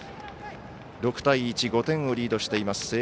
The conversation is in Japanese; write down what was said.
６対１５点をリードしています